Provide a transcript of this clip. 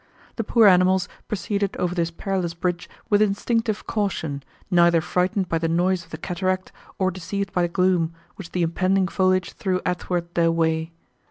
The poor animals proceeded over this perilous bridge with instinctive caution, neither frightened by the noise of the cataract, nor deceived by the gloom, which the impending foliage threw athwart their way.